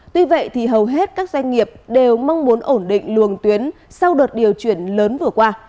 tuy vậy thì hầu hết các doanh nghiệp đều mong muốn ổn định luồng tuyến sau đợt điều chuyển lớn vừa qua